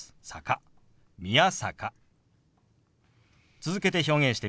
続けて表現してみます。